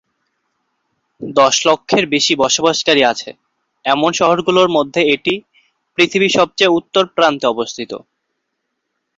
দশ লক্ষের বেশি বসবাসকারী আছে এমন শহরগুলোর মধ্যে এটি পৃথিবীর সবচেয়ে উত্তর প্রান্তে অবস্থিত।